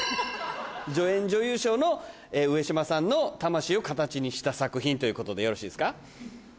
助演女優賞の上島さんの魂を形にした作品ということでよろしいですか？